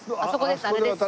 あそこです。